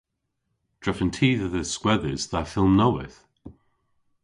Drefen ty dhe dhiskwedhes dha fylm nowydh.